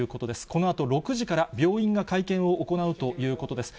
このあと６時から、病院が会見を行うということです。